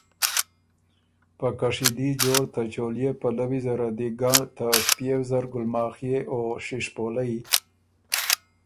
په کشیدي جوړ ته چولئے پلوي زره دی ګنړ ته ݭپيېو زر ګُلماخئے او شِشپولئ